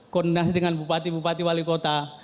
koordinasi dengan bupati bupati wali kota